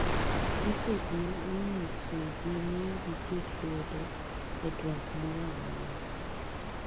bisop ne onyiso gi ni giket lwedo e twak moro amora.